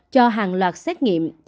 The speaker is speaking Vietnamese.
cho hàng loạt xét nghiệm